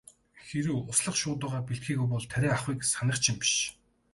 Хэрэв услах шуудуугаа бэлтгээгүй бол тариа авахыг санах ч юм биш.